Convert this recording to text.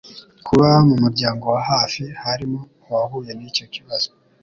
kuba mu muryango wa hafi harimo uwahuye n'icyo kibazo